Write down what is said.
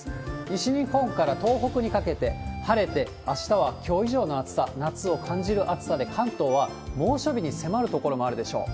西日本から東北にかけて晴れて、あしたはきょう以上の暑さ、夏を感じる暑さで、関東は猛暑日に迫る所もあるでしょう。